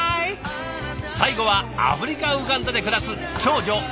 最後はアフリカ・ウガンダで暮らす長女あゆみさん。